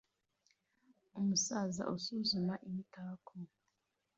Umusaza usuzuma imitako